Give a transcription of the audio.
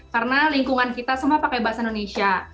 karena lingkungan kita semua pakai bahasa indonesia